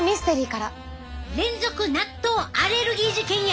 連続納豆アレルギー事件や。